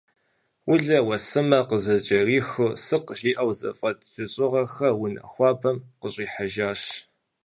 Улэ, уэсымэ къызыкӏэрихыу, «сыкъ» жиӏэу зэфӏэт жьыщӏыгъэхэр унэ хуабэм къыщӏихьэжащ.